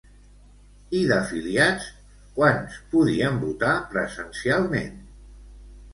I d'afiliats quants podien votar presencialment?